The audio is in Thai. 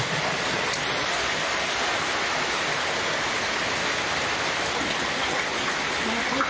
พร้อมทุกสิทธิ์